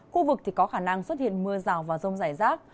khu vực có khả năng xuất hiện mưa rào và rông rải rác